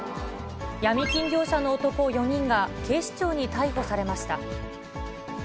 ヤミ金業者の男４人が警視庁に逮捕されました。